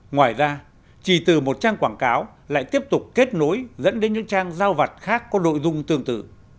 ngoài ra chỉ từ một trang quảng cáo lại tiếp tục kết nối dẫn đến những trang giao vặt khác có nội dung tương tự